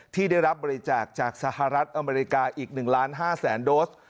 ที่ได้รับบริจาคจากสหรัฐอเมริกาอีก๑ล้าน๕แสนโดส